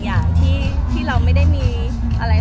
แม็กซ์ก็คือหนักที่สุดในชีวิตเลยจริง